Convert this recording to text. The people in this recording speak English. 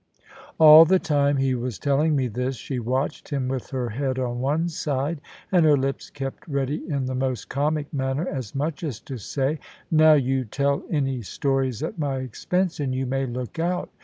All the time he was telling me this, she watched him with her head on one side and her lips kept ready in the most comic manner, as much as to say, "Now you tell any stories at my expense, and you may look out."